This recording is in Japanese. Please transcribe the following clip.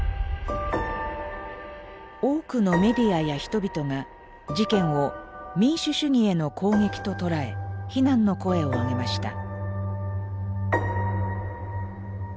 多くのメディアや人々が事件を民主主義への攻撃ととらえ非難の声をあげました。